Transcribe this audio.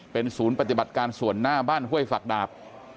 เป็นศูนย์ปฏิบัติการส่วนหน้าบ้านห้วยฝักดาบ